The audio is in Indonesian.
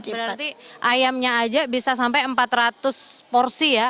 berarti ayamnya aja bisa sampai empat ratus porsi ya